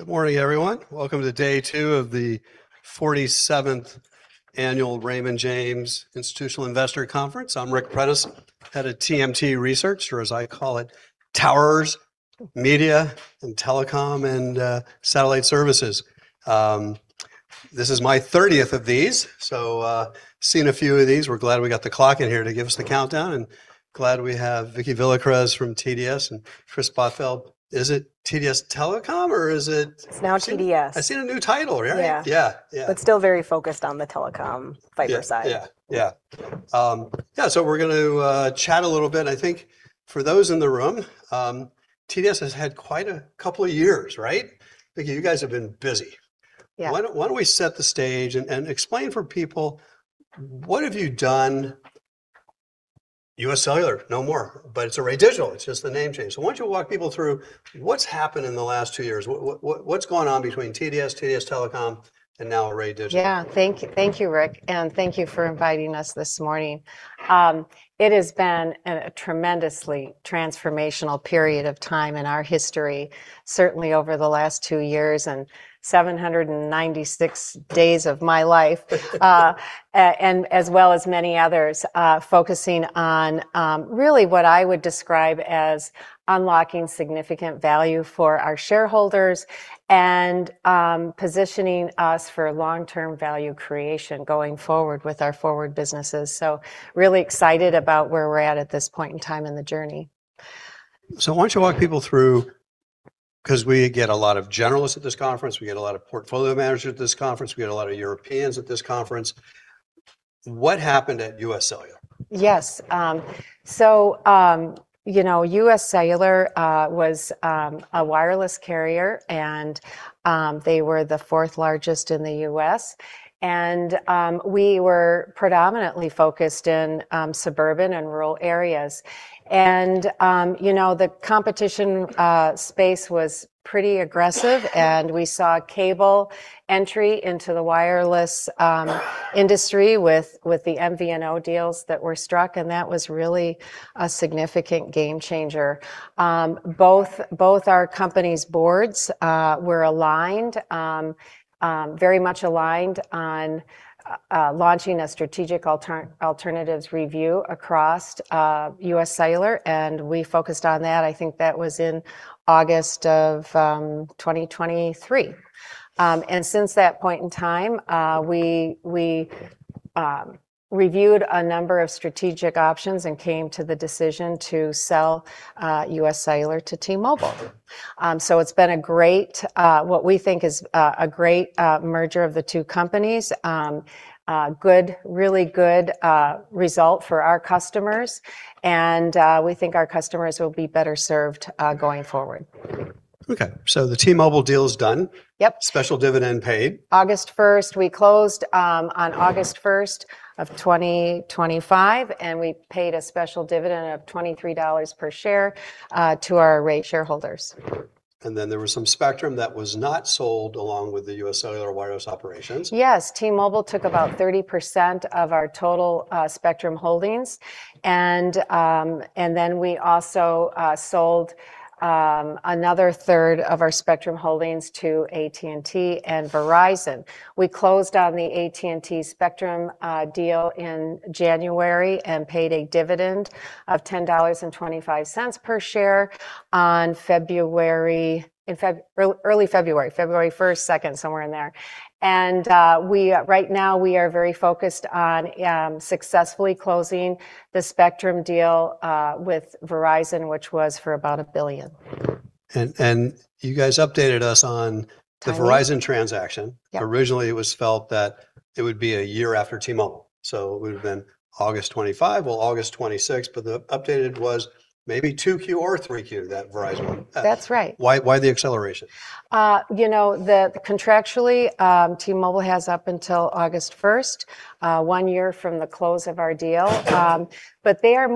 Good morning, everyone. Welcome to day two of the 47th Annual Raymond James Institutional Investor Conference. I'm Ric Prentiss, head of TMT Research, or as I call it, Towers, Media, and Telecom and Satellite Services. This is my 30th of these, so seen a few of these. We're glad we got the clock in here to give us the countdown, and glad we have Vicki Villacrez from TDS and Kris Bothfeld. Is it TDS Telecom, or is it- It's now TDS. I've seen a new title, right? Yeah. Yeah, yeah. Still very focused on the telecom fiber side. Yeah. Yeah, yeah. We're going to chat a little bit. I think for those in the room, TDS has had quite a couple of years, right? Vicki, you guys have been busy. Yeah. Why don't we set the stage and explain for people what have you done? UScellular no more, but it's Array Digital. It's just the name change. Why don't you walk people through what's happened in the last two years? What's going on between TDS Telecom, and now Array Digital? Yeah. Thank you, thank you, Ric, and thank you for inviting us this morning. It has been a tremendously transformational period of time in our history, certainly over the last two years and 796 days of my life and as well as many others, focusing on really what I would describe as unlocking significant value for our shareholders and positioning us for long-term value creation going forward with our forward businesses. Really excited about where we're at at this point in time in the journey. Why don't you walk people through, because we get a lot of journalists at this conference, we get a lot of portfolio managers at this conference, we get a lot of Europeans at this conference. What happened at UScellular? Yes. You know, UScellular was a wireless carrier, and they were the fourth largest in the U.S. We were predominantly focused in suburban and rural areas. You know, the competition space was pretty aggressive, and we saw cable entry into the wireless industry with the MVNO deals that were struck, and that was really a significant game changer. Both our company's boards were aligned, very much aligned on launching a strategic alternatives review across UScellular, and we focused on that. I think that was in August of 2023. Since that point in time, we reviewed a number of strategic options and came to the decision to sell UScellular to T-Mobile. It's been a great, what we think is a great, merger of the two companies. A good, really good, result for our customers and, we think our customers will be better served, going forward. Okay. The T-Mobile deal is done. Yep. Special dividend paid. August 1st. We closed, on August 1st of 2025, and we paid a special dividend of $23 per share, to our Array shareholders. There was some spectrum that was not sold along with the UScellular wireless operations. Yes. T-Mobile took about 30% of our total spectrum holdings, then we also sold another third of our spectrum holdings to AT&T and Verizon. We closed on the AT&T spectrum deal in January and paid a dividend of $10.25 per share on Early February 1st, 2nd, somewhere in there. Right now we are very focused on successfully closing the spectrum deal with Verizon, which was for about $1 billion. You guys updated us on- Timing The Verizon transaction. Yeah. Originally it was felt that it would be a year after T-Mobile, so it would've been August 2025 or August 2026, but the updated was maybe 2Q or 3Q, that Verizon one. That's right. Why, why the acceleration? You know, the contractually, T-Mobile has up until August 1st, one year from the close of our deal. They're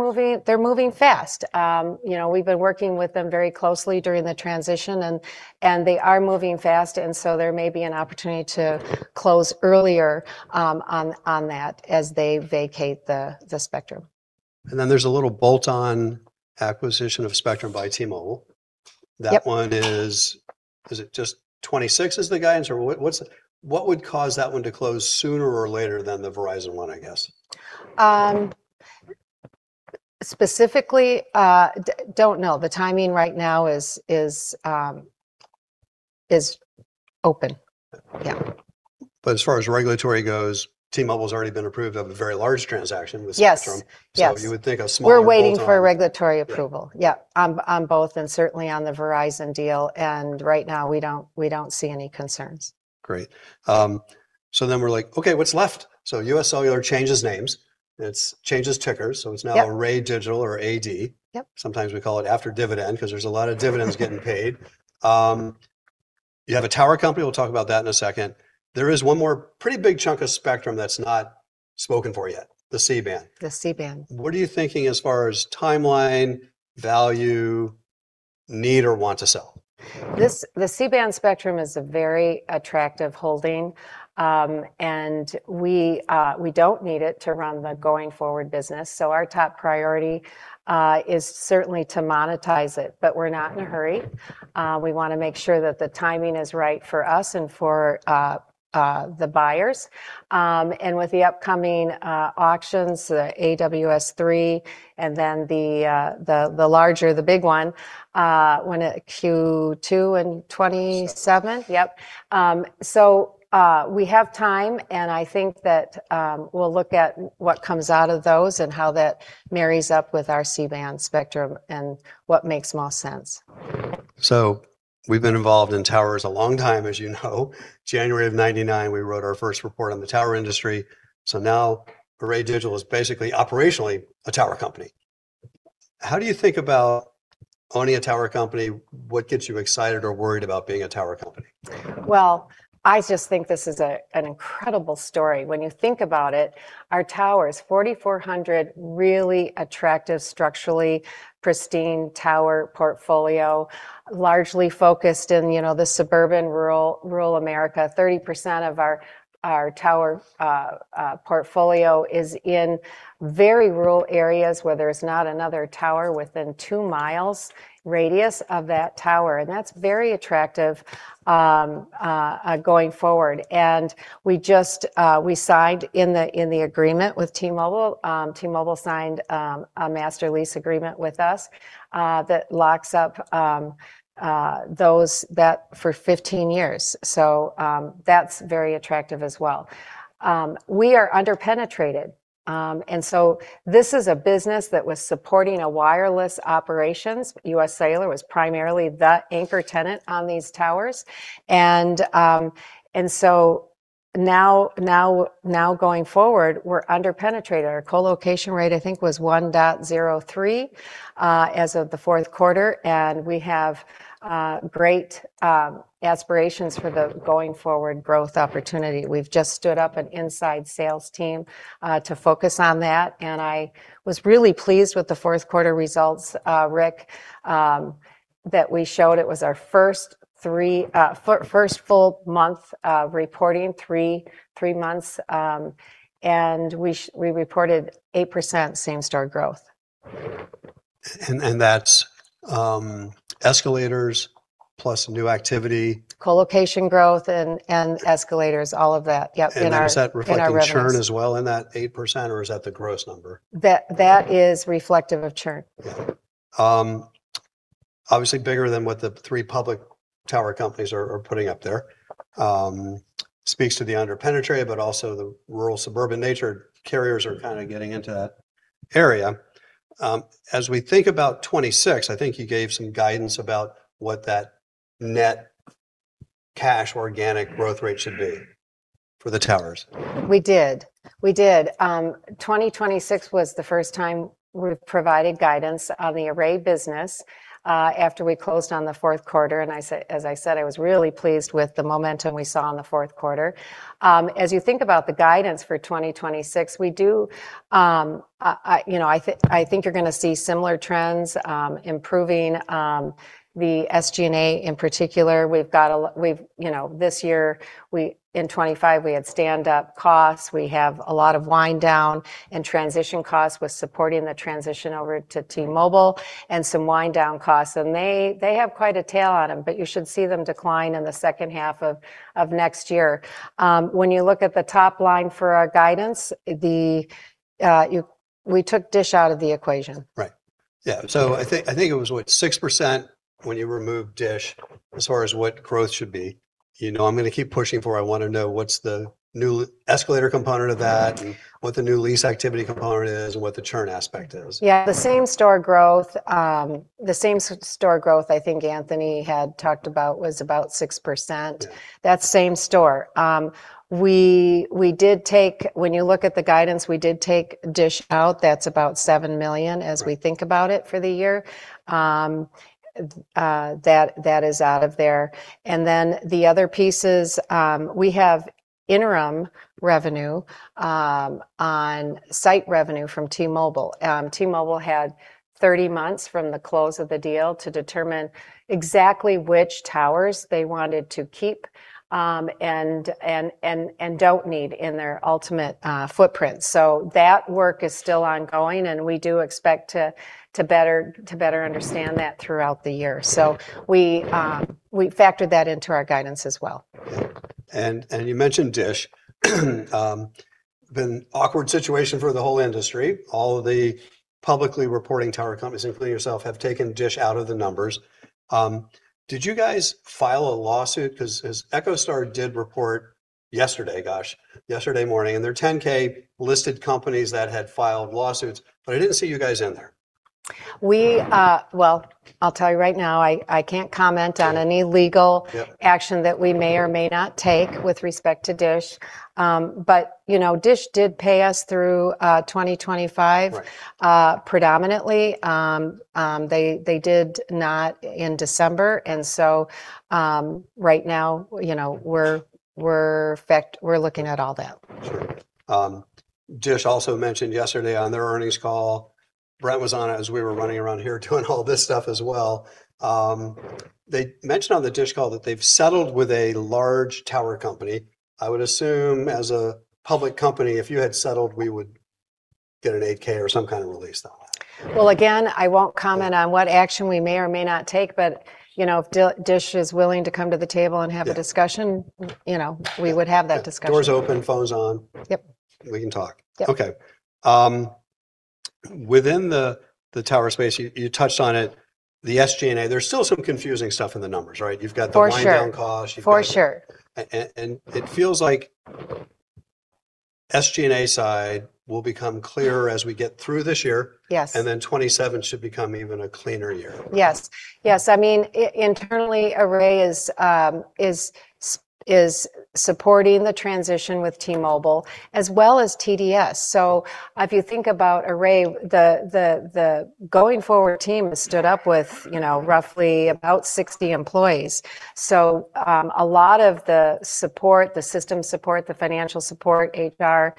moving fast. You know, we've been working with them very closely during the transition and they are moving fast. There may be an opportunity to close earlier, on that as they vacate the spectrum. There's a little bolt-on acquisition of spectrum by T-Mobile. Yep. That one is it just 2026 is the guidance, or what would cause that one to close sooner or later than the Verizon one, I guess? Specifically, don't know. The timing right now is open. Yeah. Yeah. As far as regulatory goes, T-Mobile's already been approved of a very large transaction with Spectrum. Yes. Yes. You would think a smaller bolt-on- We're waiting for regulatory approval. Yeah. Yeah. On both and certainly on the Verizon deal, and right now we don't see any concerns. Great. We're like, "Okay, what's left?" UScellular changes names. It's changes tickers, so it's now. Yep Array Digital or A.D. Yep. Sometimes we call it After Dividend 'cause there's a lot of dividends getting paid. You have a tower company. We'll talk about that in a second. There is one more pretty big chunk of spectrum that's not spoken for yet, the C-band. The C-band. What are you thinking as far as timeline, value? Need or want to sell? This, the C-band spectrum is a very attractive holding. We don't need it to run the going forward business. Our top priority is certainly to monetize it. We're not in a hurry. We wanna make sure that the timing is right for us and for the buyers. With the upcoming auctions, the AWS-3 and then the larger, the big one, when it Q2 in 2027? Yep. We have time, and I think that we'll look at what comes out of those and how that marries up with our C-band spectrum and what makes most sense. We've been involved in towers a long time, as you know. January of 1999, we wrote our first report on the tower industry. Now Array Digital is basically operationally a tower company. How do you think about owning a tower company? What gets you excited or worried about being a tower company? Well, I just think this is an incredible story. When you think about it, our towers, 4,400 really attractive, structurally pristine tower portfolio, largely focused in, you know, the suburban, rural America. 30% of our tower portfolio is in very rural areas where there's not another tower within two miles radius of that tower, that's very attractive going forward. We just signed in the agreement with T-Mobile. T-Mobile signed a master lease agreement with us that locks up that for 15 years. That's very attractive as well. We are under-penetrated. Now going forward, we're under-penetrated. Our co-location rate, I think, was 1.03 as of the fourth quarter, and we have great aspirations for the going forward growth opportunity. We've just stood up an inside sales team to focus on that, and I was really pleased with the fourth quarter results, Ric, that we showed. It was our first full month of reporting, three months. And we reported 8% same-store growth. That's escalators plus new activity. Co-location growth and escalators, all of that. Yep, in our revenues. Is that reflecting churn as well in that 8%, or is that the gross number? That is reflective of churn. Yeah. Obviously bigger than what the three public tower companies are putting up there. Speaks to the under-penetrated, but also the rural suburban nature carriers are kind of getting into that area. As we think about 2026, I think you gave some guidance about what that net cash organic growth rate should be for the towers. We did. We did. 2026 was the first time we've provided guidance on the Array business after we closed on the fourth quarter. As I said, I was really pleased with the momentum we saw in the fourth quarter. As you think about the guidance for 2026, we do, you know, I think you're gonna see similar trends, improving, the SG&A in particular. We've, you know, this year in 2025, we had standup costs. We have a lot of wind down and transition costs with supporting the transition over to T-Mobile and some wind down costs. They have quite a tail on them, but you should see them decline in the second half of next year. When you look at the top line for our guidance, the, we took DISH out of the equation. Right. Yeah. I think, I think it was, what, 6% when you remove DISH as far as what growth should be. You know I'm gonna keep pushing for it. I wanna know what's the new escalator component of that and what the new lease activity component is and what the churn aspect is. Yeah. The same-store growth I think Anthony had talked about was about 6%. Yeah. That's same store. When you look at the guidance, we did take DISH out. That's about $7 million- Right As we think about it for the year. That is out of there. The other pieces, we have interim revenue, on site revenue from T-Mobile. T-Mobile had 30 months from the close of the deal to determine exactly which towers they wanted to keep, and don't need in their ultimate footprint. That work is still ongoing, and we do expect to better understand that throughout the year. We factored that into our guidance as well. Yeah. You mentioned DISH. been awkward situation for the whole industry. All of the publicly reporting tower companies, including yourself, have taken DISH out of the numbers. Did you guys file a lawsuit? Because as EchoStar did report yesterday, gosh, yesterday morning, in their 10-K, listed companies that had filed lawsuits, but I didn't see you guys in there. We, well, I'll tell you right now, I can't comment on any legal. Yeah Action that we may or may not take with respect to DISH. you know, DISH did pay us through, 2025. Right. Predominantly. They did not in December. Right now, you know, we're looking at all that. Sure. DISH also mentioned yesterday on their earnings call, Brent was on as we were running around here doing all this stuff as well. They mentioned on the DISH call that they've settled with a large tower company. I would assume as a public company, if you had settled, we would get an 8-K or some kind of release on that. Well, again, I won't comment on what action we may or may not take, but, you know, if DISH is willing to come to the table and have. Yeah A discussion, you know, we would have that discussion. Door's open, phone's on. Yep. We can talk. Yep. Okay. within the tower space, you touched on it, the SG&A, there's still some confusing stuff in the numbers, right? You've got. For sure. Wind down costs. You've got. For sure. It feels like SG&A side will become clearer as we get through this year. Yes. 2027 should become even a cleaner year. Yes. Yes, I mean, internally Array is supporting the transition with T-Mobile as well as TDS. If you think about Array, the going forward team has stood up with, you know, roughly about 60 employees. A lot of the support, the system support, the financial support, HR,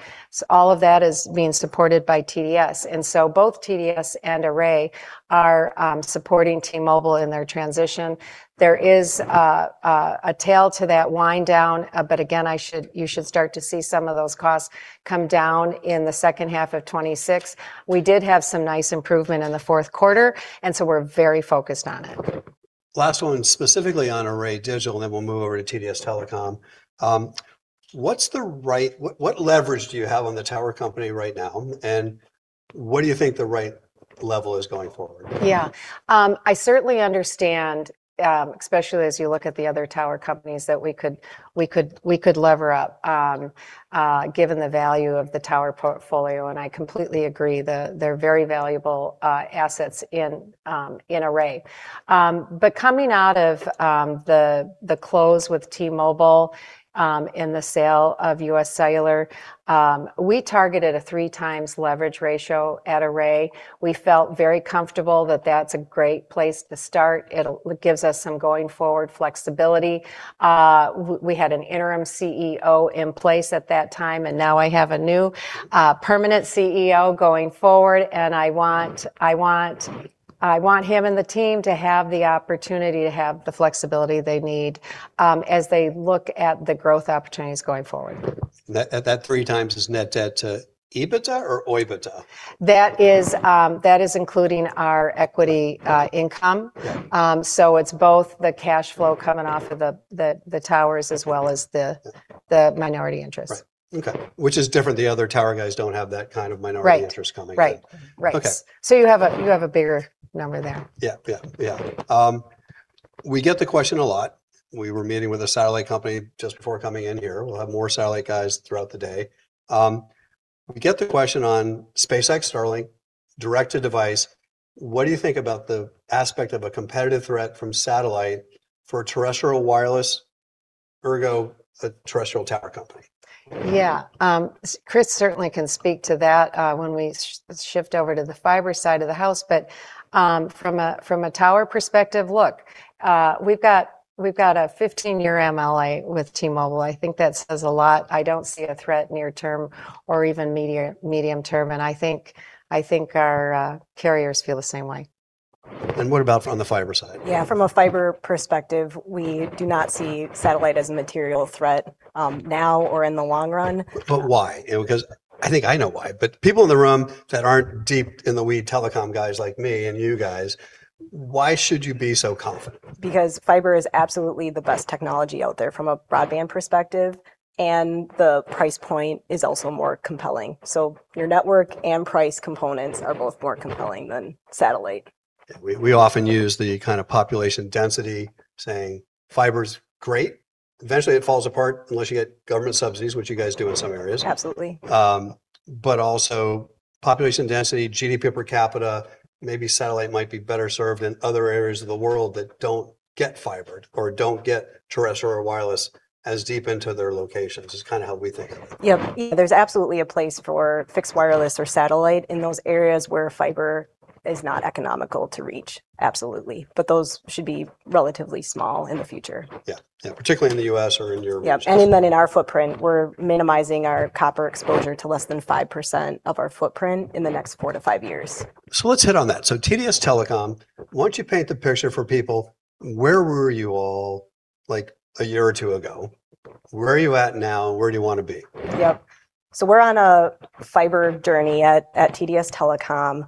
all of that is being supported by TDS. Both TDS and Array are supporting T-Mobile in their transition. There is a tail to that wind down, again, you should start to see some of those costs come down in the second half of 2026. We did have some nice improvement in the fourth quarter. We're very focused on it. Last one specifically on Array Digital, and then we'll move over to TDS Telecom. What leverage do you have on the tower company right now, and what do you think the right level is going forward? Yeah. I certainly understand, especially as you look at the other tower companies that we could lever up, given the value of the tower portfolio, and I completely agree that they're very valuable assets in Array. Coming out of the close with T-Mobile, in the sale of UScellular, we targeted a 3x leverage ratio at Array. We felt very comfortable that that's a great place to start. It gives us some going forward flexibility. We had an interim CEO in place at that time, and now I have a new permanent CEO going forward, and I want him and the team to have the opportunity to have the flexibility they need, as they look at the growth opportunities going forward. That 3x is net debt to EBITDA or OIBDA? That is. That is including our equity, income. Yeah. It's both the cash flow coming off of the towers as well as the minority interest. Right. Okay. Which is different. The other tower guys don't have that kind of minority- Right Interest coming in. Right. Right. Okay. You have a bigger number there. Yeah, yeah. We get the question a lot. We were meeting with a satellite company just before coming in here. We'll have more satellite guys throughout the day. We get the question on SpaceX Starlink direct-to-device. What do you think about the aspect of a competitive threat from satellite for terrestrial wireless, ergo a terrestrial tower company? Yeah. Kris certainly can speak to that when we shift over to the fiber side of the house. From a tower perspective, look, we've got a 15-year MLA with T-Mobile. I think that says a lot. I don't see a threat near term or even media-medium term, I think our carriers feel the same way. What about from the fiber side? From a fiber perspective, we do not see satellite as a material threat, now or in the long run. Why? You know, because I think I know why, but people in the room that aren't deep in the weed telecom guys like me and you guys, why should you be so confident? Fiber is absolutely the best technology out there from a broadband perspective, and the price point is also more compelling. Your network and price components are both more compelling than satellite. Yeah. We often use the kind of population density saying fiber's great. Eventually it falls apart unless you get government subsidies, which you guys do in some areas. Absolutely. Also population density, GDP per capita, maybe satellite might be better served in other areas of the world that don't get fibered or don't get terrestrial wireless as deep into their locations is kind of how we think of it. Yep. There's absolutely a place for fixed wireless or satellite in those areas where fiber is not economical to reach. Absolutely. Those should be relatively small in the future. Yeah. Particularly in the U.S. or in your region. Yeah. Even in our footprint, we're minimizing our copper exposure to less than 5% of our footprint in the next four to five years. Let's hit on that. TDS Telecom, why don't you paint the picture for people, where were you all like a year or two ago? Where are you at now? Where do you want to be? Yep. We're on a fiber journey at TDS Telecom.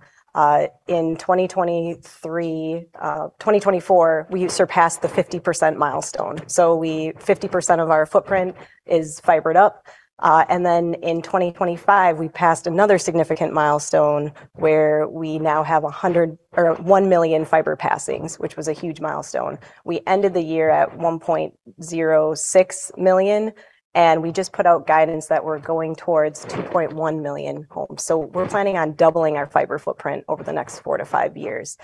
In 2023, 2024, we surpassed the 50% milestone, 50% of our footprint is fibered up. In 2025, we passed another significant milestone where we now have 1 million fiber passings, which was a huge milestone. We ended the year at 1.06 million, and we just put out guidance that we're going towards 2.1 million homes. We're planning on doubling our fiber footprint over the next four to five years.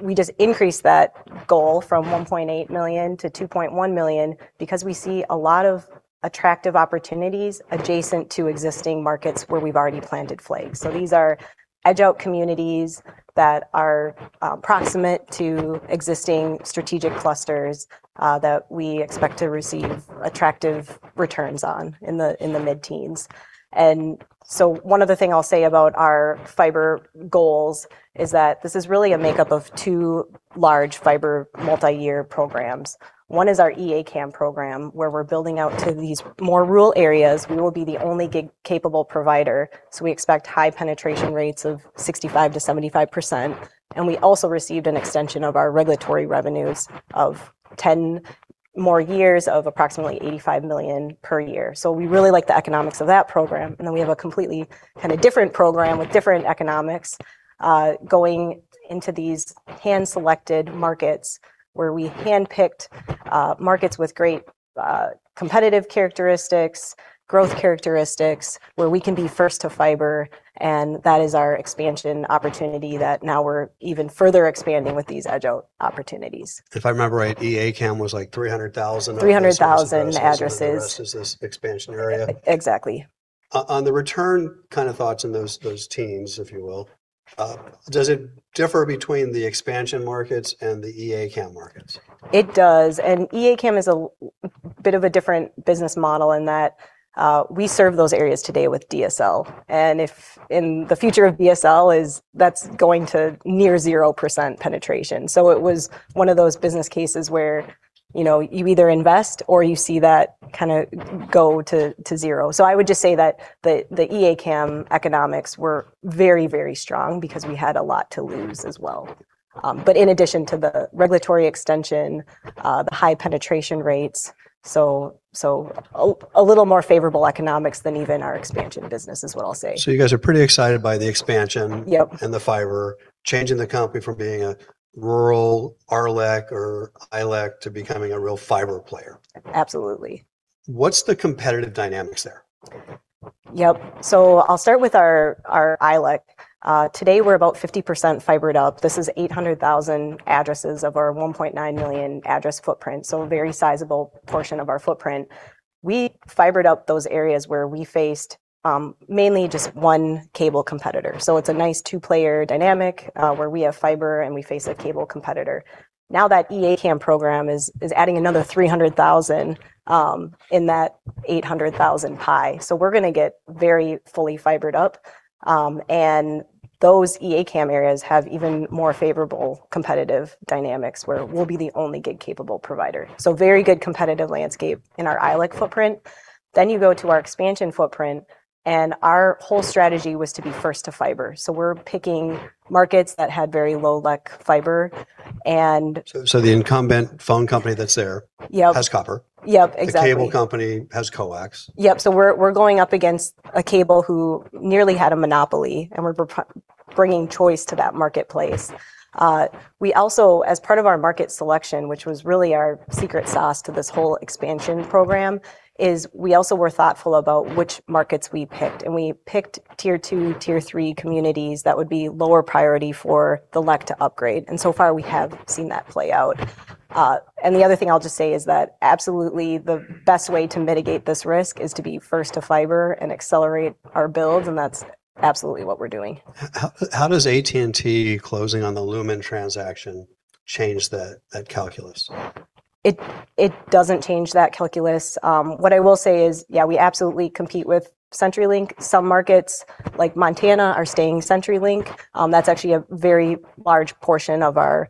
We just increased that goal from 1.8 million-2.1 million because we see a lot of attractive opportunities adjacent to existing markets where we've already planted flags. These are edge out communities that are proximate to existing strategic clusters that we expect to receive attractive returns on in the mid-teens. One other thing I'll say about our fiber goals is that this is really a makeup of two large fiber multi-year programs. One is our E-ACAM program, where we're building out to these more rural areas. We will be the only gig-capable provider, so we expect high penetration rates of 65%-75%. We also received an extension of our regulatory revenues of 10 more years of approximately $85 million per year. We really like the economics of that program. We have a completely kinda different program with different economics, going into these hand-selected markets where we handpicked, markets with great, competitive characteristics, growth characteristics, where we can be first to fiber, and that is our expansion opportunity that now we're even further expanding with these edge opportunities. If I remember right, E-ACAM was like $300,000. 300,000 addresses. Addresses versus expansion area. Exactly. On the return kind of thoughts in those teams, if you will, does it differ between the expansion markets and the E-ACAM markets? It does. E-ACAM is a bit of a different business model in that we serve those areas today with DSL. in the future of DSL is that's going to near 0% penetration. it was one of those business cases where, you know, you either invest or you see that kinda go to zero. I would just say that the E-ACAM economics were very, very strong because we had a lot to lose as well. in addition to the regulatory extension, the high penetration rates, so a little more favorable economics than even our expansion business is what I'll say. You guys are pretty excited by the expansion? Yep And the fiber, changing the company from being a rural RLEC or ILEC to becoming a real fiber player. Absolutely. What's the competitive dynamics there? Yep. I'll start with our ILEC. Today we're about 50% fibered up. This is 800,000 addresses of our 1.9 million address footprint, so a very sizable portion of our footprint. We fibered up those areas where we faced mainly just one cable competitor. It's a nice two-player dynamic where we have fiber and we face a cable competitor. Now that E-ACAM program is adding another 300,000 in that 800,000 pie. We're gonna get very fully fibered up, and those E-ACAM areas have even more favorable competitive dynamics where we'll be the only gig-capable provider. Very good competitive landscape in our ILEC footprint. You go to our expansion footprint, and our whole strategy was to be first to fiber. We're picking markets that had very low LEC fiber. The incumbent phone company that's there... Yep Has copper. Yep, exactly. The cable company has coax. Yep. We're going up against a cable who nearly had a monopoly, and we're bringing choice to that marketplace. We also, as part of our market selection, which was really our secret sauce to this whole expansion program, is we also were thoughtful about which markets we picked. We picked tier two, tier three communities that would be lower priority for the LEC to upgrade. So far we have seen that play out. The other thing I'll just say is that absolutely the best way to mitigate this risk is to be first to fiber and accelerate our build, and that's absolutely what we're doing. How does AT&T closing on the Lumen transaction change that calculus? It doesn't change that calculus. What I will say is, yeah, we absolutely compete with CenturyLink. Some markets, like Montana, are staying CenturyLink. That's actually a very large portion of our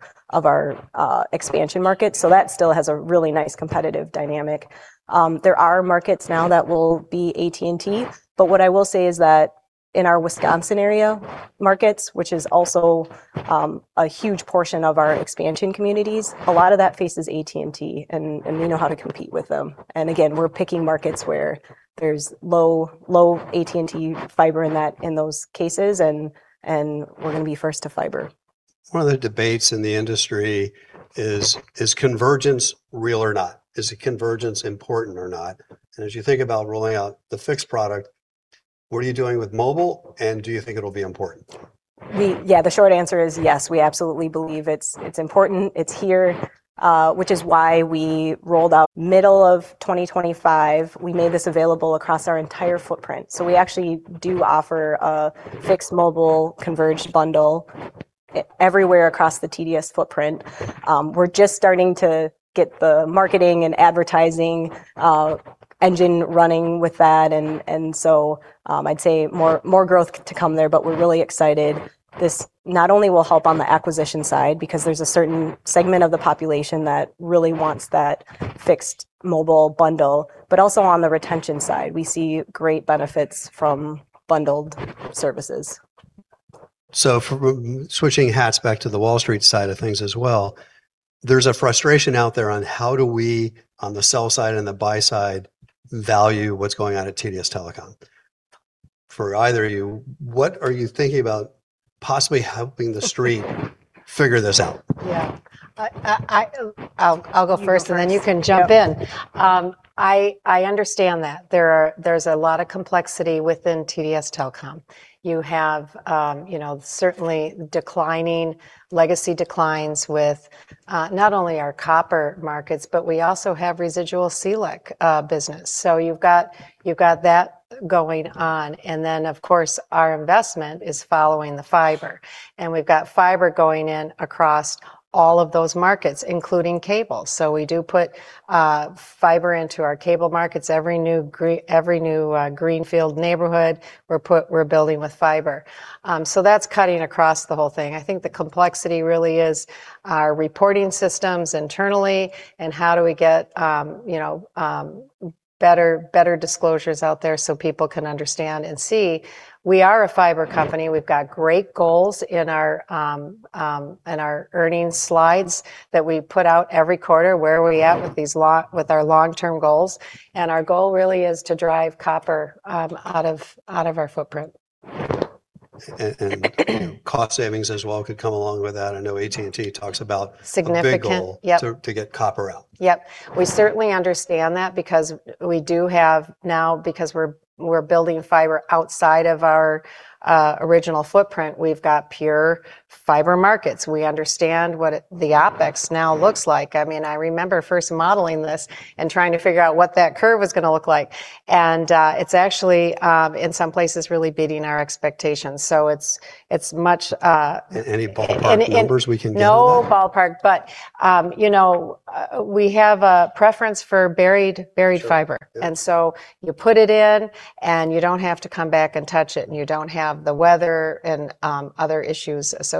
expansion market. That still has a really nice competitive dynamic. There are markets now that will be AT&T, but what I will say is that in our Wisconsin area markets, which is also a huge portion of our expansion communities, a lot of that faces AT&T, and we know how to compete with them. Again, we're picking markets where there's low AT&T fiber in that, in those cases and we're gonna be first to fiber. One of the debates in the industry is convergence real or not? Is convergence important or not? As you think about rolling out the fixed product, what are you doing with mobile, and do you think it'll be important? Yeah. The short answer is yes. We absolutely believe it's important. It's here, which is why we rolled out middle of 2025. We made this available across our entire footprint. We actually do offer a fixed-mobile converged bundle everywhere across the TDS footprint. We're just starting to get the marketing and advertising engine running with that. I'd say more growth to come there. We're really excited. This not only will help on the acquisition side, because there's a certain segment of the population that really wants that fixed-mobile bundle, but also on the retention side. We see great benefits from bundled services. Switching hats back to the Wall Street side of things as well, there's a frustration out there on how do we, on the sell side and the buy side, value what's going on at TDS Telecom. For either of you, what are you thinking about possibly helping the Street figure this out? Yeah. I'll go first, then you can jump in. I understand that. There's a lot of complexity within TDS Telecom. You have, you know, certainly declining legacy declines with not only our copper markets, but we also have residual CLEC business. You've got that going on. Of course, our investment is following the fiber. We've got fiber going in across all of those markets, including cable. We do put fiber into our cable markets. Every new greenfield neighborhood, we're building with fiber. That's cutting across the whole thing. I think the complexity really is our reporting systems internally and how do we get, you know, better disclosures out there so people can understand and see we are a fiber company. We've got great goals in our in our earnings slides that we put out every quarter, where are we at with these with our long-term goals. Our goal really is to drive copper out of our footprint. Cost savings as well could come along with that. I know AT&T talks about. Significant A big goal- Yep To get copper out. Yep. We certainly understand that because we do have now, because we're building fiber outside of our original footprint, we've got pure fiber markets. We understand what the OpEx now looks like. I mean, I remember first modeling this and trying to figure out what that curve was gonna look like and it's actually in some places really beating our expectations. It's much. Any ballpark numbers we can get on that? No ballpark, but, you know, we have a preference for buried fiber. Sure. Yep. You put it in, and you don't have to come back and touch it, and you don't have the weather and other issues associated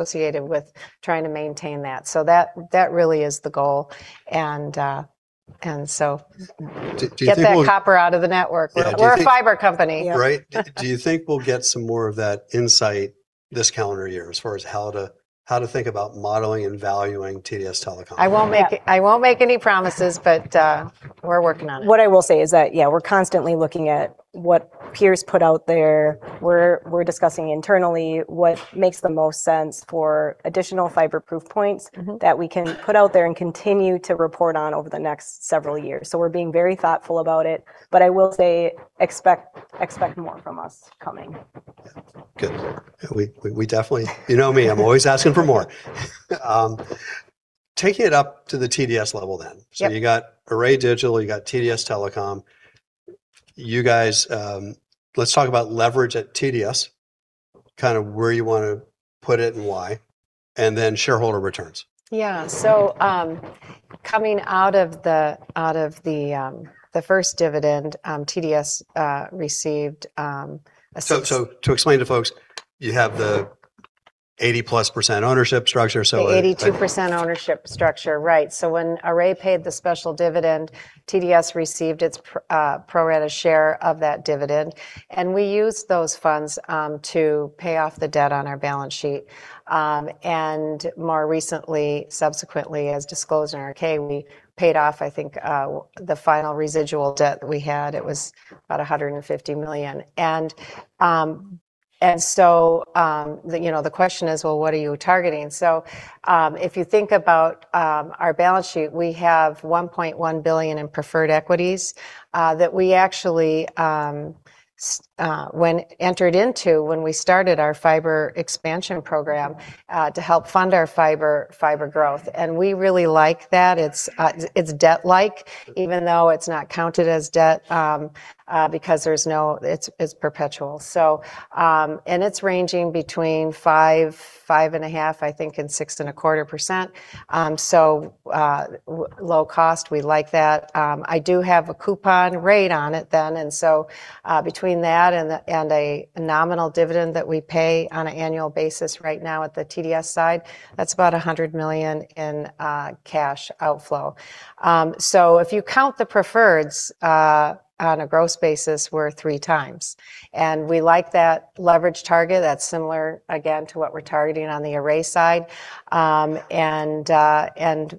with trying to maintain that. That really is the goal. Do you think? Get that copper out of the network. Yeah. Do you think- We're a fiber company. Yeah. Right. Do you think we'll get some more of that insight this calendar year as far as how to, how to think about modeling and valuing TDS Telecom? I won't make. Yeah. I won't make any promises, but, we're working on it. What I will say is that, yeah, we're constantly looking at what peers put out there. We're discussing internally what makes the most sense for additional fiber proof points. Mm-hmm That we can put out there and continue to report on over the next several years. We're being very thoughtful about it. I will say expect more from us coming. Good. We definitely. You know me, I'm always asking for more. Taking it up to the TDS level then. Yep. You got Array Digital, you got TDS Telecom. You guys, let's talk about leverage at TDS, kind of where you want to put it and why, and then shareholder returns. Yeah. Coming out of the, out of the first dividend, TDS received. To explain to folks, you have the 80-plus % ownership structure. The 82% ownership structure. Right. When Array paid the special dividend, TDS received its pro rata share of that dividend, and we used those funds to pay off the debt on our balance sheet. More recently, subsequently, as disclosed in our K, we paid off, I think, the final residual debt that we had. It was about $150 million. The, you know, the question is, well, what are you targeting? If you think about our balance sheet, we have $1.1 billion in preferred equities that we actually when entered into when we started our fiber expansion program to help fund our fiber growth, and we really like that. It's debt-like- Sure Even though it's not counted as debt, because there's no. It's perpetual. It's ranging between five and a half, I think, and 0.0625%. low cost, we like that. I do have a coupon rate on it then, between that and a nominal dividend that we pay on a annual basis right now at the TDS side, that's about $100 million in cash outflow. if you count the preferreds on a gross basis, we're 3x. We like that leverage target. That's similar, again, to what we're targeting on the Array side.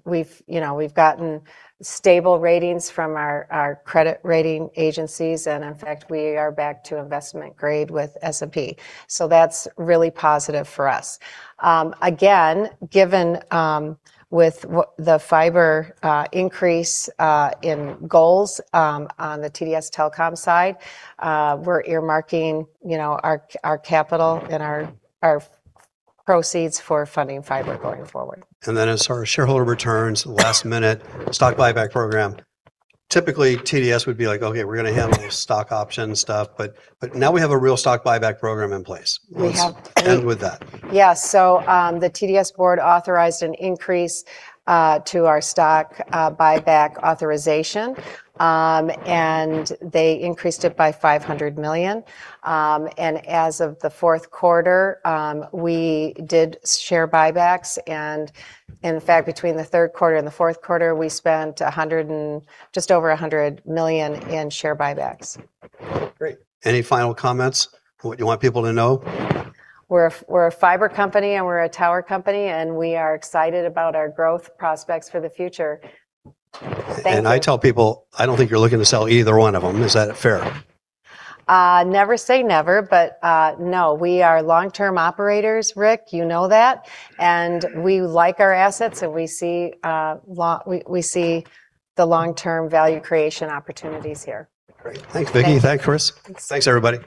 We've, you know, gotten stable ratings from our credit rating agencies and in fact we are back to investment grade with S&P, so that's really positive for us. Again, given, with the fiber increase in goals, on the TDS Telecom side, we're earmarking, you know, our capital and our proceeds for funding fiber going forward. As far as shareholder returns, last minute, stock buyback program. Typically, TDS would be like, "Okay, we're gonna handle this stock option stuff," but now we have a real stock buyback program in place. We have. Let's end with that. Yeah. The TDS board authorized an increase to our stock buyback authorization, and they increased it by $500 million. As of the fourth quarter, we did share buybacks and in fact, between the third quarter and the fourth quarter, we spent just over $100 million in share buybacks. Great. Any final comments for what you want people to know? We're a fiber company, and we're a tower company, and we are excited about our growth prospects for the future. Thank you. I tell people I don't think you're looking to sell either one of them. Is that fair? never say never, but, no. We are long-term operators, Ric. You know that. We like our assets, and we see the long-term value creation opportunities here. Great. Thanks, Vicki. Thanks. Thanks, Chris. Thanks. Thanks, everybody.